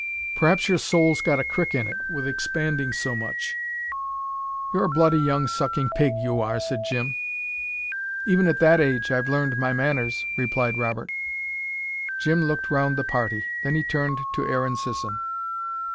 Perhaps your soul's got a crick in it, with expanding so much." "You're a bloody young sucking pig, you are," said Jim. "Even at that age, I've learned my manners," replied Robert. Jim looked round the party. Then he turned to Aaron Sisson.